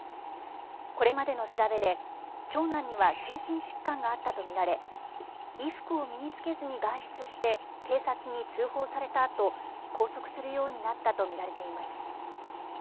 これまでの調べで長男には精神疾患があったと見られ衣服を身に着けずに外出して警察に通報されたあと拘束するようになったと見られています。